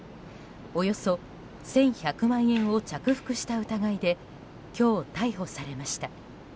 およそ１１００万円を着服した疑いで今日、逮捕されました。